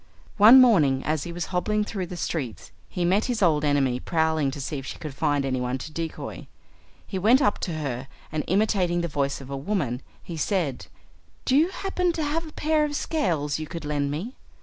One morning as he was hobbling through the streets he met his old enemy prowling to see if she could find anyone to decoy. He went up to her and, imitating the voice of a woman, he said, "Do you happen to have a pair of scales you could lend me?